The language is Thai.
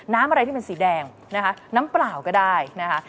น้ำอะไรที่เป็นสีแดงนะคะน้ำเปล่าก็ได้นะคะ